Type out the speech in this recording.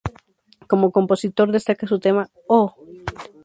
Como compositor destaca su tema "Oh!